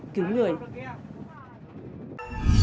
hãy đăng ký kênh để ủng hộ kênh của mình nhé